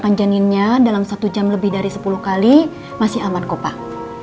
kejaninnya dalam satu jam lebih dari sepuluh kali masih aman kok pak